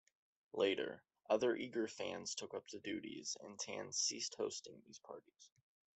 Later, other eager fans took up the duties and Tan ceased hosting these parties.